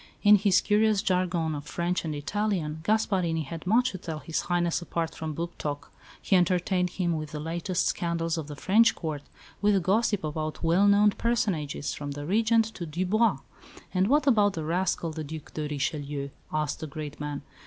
In his curious jargon of French and Italian, Gasparini had much to tell His Highness apart from book talk. He entertained him with the latest scandals of the French Court; with gossip about well known personages, from the Regent to Dubois. "And what about that rascal, the Duc de Richelieu?" asked the great man.